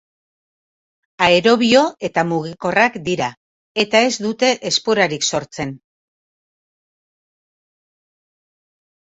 Aerobio eta mugikorrak dira, eta ez dute esporarik sortzen.